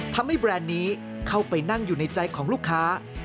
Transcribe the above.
แบรนด์นี้เข้าไปนั่งอยู่ในใจของลูกค้า